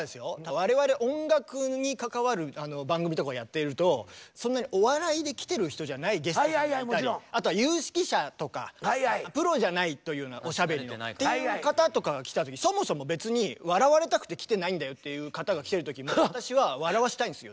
我々音楽に関わる番組とかをやっているとそんなにお笑いで来てる人じゃないゲストとかいたりあとは有識者とかプロじゃないというようなおしゃべりのっていう方とかが来た時そもそも別に笑われたくて来てないんだよっていう方が来てる時も私は笑わせたいんですよ